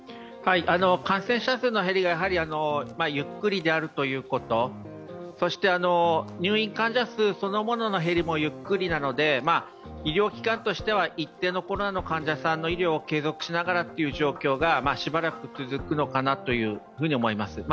感染者数の減り方がゆっくりであるということそして入院患者数そのものの減りもゆっくりなので医療機関としては一定のコロナの患者さんの医療を継続しながらというのがしばらく続くのかなというふうに思います。